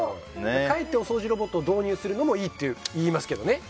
かえってお掃除ロボットを導入するのもいいっていいますけどね。